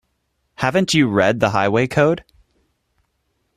Haven't you read the Highway Code?